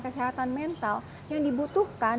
kesehatan mental yang dibutuhkan